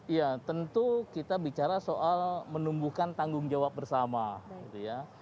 iya tentu kita bicara soal menumbuhkan tanggung jawab bersama gitu ya